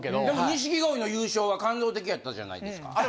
でも錦鯉の優勝は感動的やったじゃないですか。